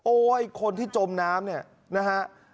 โอ๊ยคนที่จมน้ำนะฮะ